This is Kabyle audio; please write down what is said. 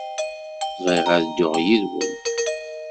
Bɣiɣ ad dduɣ yid-wen.